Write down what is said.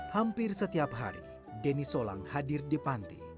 hampir setiap hari denny solang hadir di panti